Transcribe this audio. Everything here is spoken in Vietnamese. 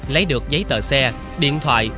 lấy được giấy tờ xe điện thoại